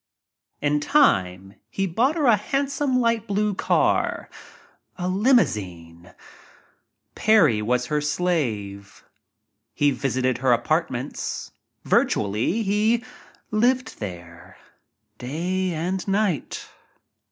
In time he bought her a handsome light blife car a limousine. Parry was her slave. He visited her apartments. Virtually he lived there — day and night.